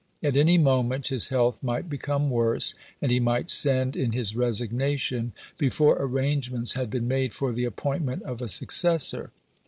At any moment his health might become worse, and he might send in his resignation before arrangements had been made for the appointment of a successor.